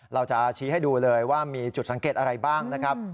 เราจะชี้ให้ดูเลยว่ามีจุดสังเกตอะไรบ้างนะครับ